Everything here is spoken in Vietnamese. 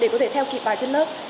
để có thể theo kịp bài trên lớp